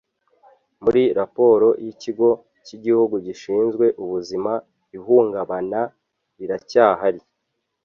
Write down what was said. Muri raporo y’Ikigo cy’Igihugu gishinzwe Ubuzima ihungabana riracyahari